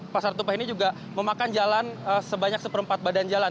pasar tumpah ini juga memakan jalan sebanyak seperempat badan jalan